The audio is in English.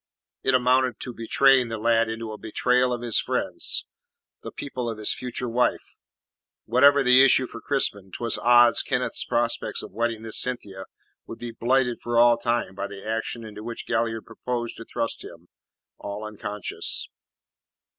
It amounted to betraying the lad into a betrayal of his friends the people of his future wife. Whatever the issue for Crispin, 'twas odds Kenneth's prospect of wedding this Cynthia would be blighted for all time by the action into which Galliard proposed to thrust him all unconscious.